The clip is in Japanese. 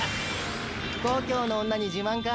故郷の女に自慢か？